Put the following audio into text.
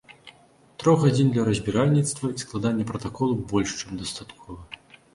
Трох гадзін для разбіральніцтва і складання пратаколу больш чым дастаткова.